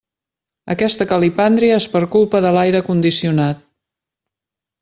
Aquesta calipàndria és per culpa de l'aire condicionat.